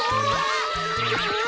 うわ！